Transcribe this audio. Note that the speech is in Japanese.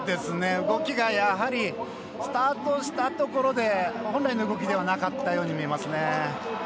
動きが、やはりスタートしたところで本来の動きではなかったように見えますね。